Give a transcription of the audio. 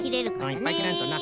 いっぱいきらんとな。